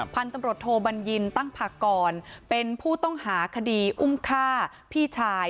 พันธบรรทโทบัญญินตั้งผ่ากก่อนเป็นผู้ต้องหาคดีอุ้งฆ่าพี่ชาย